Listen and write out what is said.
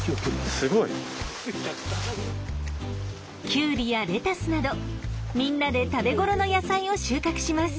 キュウリやレタスなどみんなで食べ頃の野菜を収穫します。